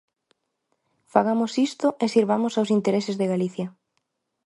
Fagamos isto e sirvamos aos intereses de Galicia.